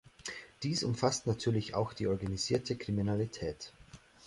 Dies umfasst natürlich auch die organisierte Kriminalität.